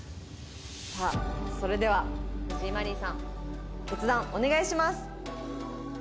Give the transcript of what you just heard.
さあそれでは藤井マリーさん決断お願いします。